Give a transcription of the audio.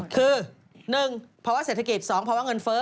คือ๑เสียรษะเกต๒เงินเฟ้อ